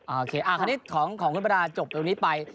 โอเคคราวนี้ของคุณประดาจบตรงนี้ไป